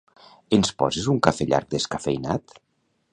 Ens poses un cafè llarg descafeïnat?